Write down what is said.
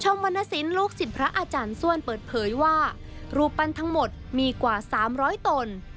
วรรณสินลูกศิษย์พระอาจารย์ส้วนเปิดเผยว่ารูปปั้นทั้งหมดมีกว่า๓๐๐ตน